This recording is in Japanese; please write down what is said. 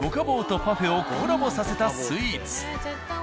寶とパフェをコラボさせたスイーツ。